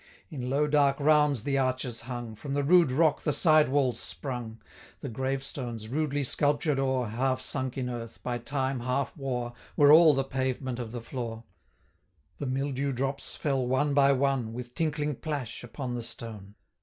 In low dark rounds the arches hung, From the rude rock the side walls sprung; The grave stones, rudely sculptured o'er, 345 Half sunk in earth, by time half wore, Were all the pavement of the floor; The mildew drops fell one by one, With tinkling plash, upon the stone.